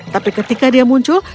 tapi ketika dia muncul